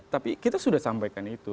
tapi kita sudah sampaikan itu